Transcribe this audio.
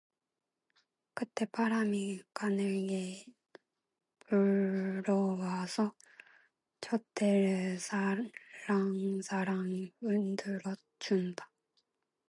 그때 바람이 가늘게 불어와서 좃대를 살랑살랑 흔들어 준다.